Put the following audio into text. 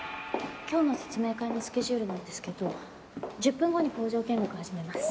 今日の説明会のスケジュールなんですけど１０分後に工場見学始めます